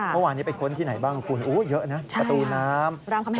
เมื่อวานนี้ไปค้นที่ไหนบ้างคุณโอ้เยอะนะประตูน้ำรามคำแหง